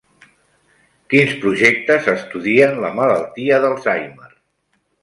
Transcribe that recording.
Quins projectes estudien la malaltia d'Alzheimer?